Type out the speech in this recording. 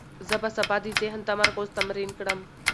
زه به سبا د ذهن تمرکز تمرین کړم.